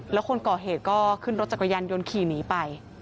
แล้วคนก่อเหตุก็ขึ้นรถจักรยานยนต์ขี่หนีไป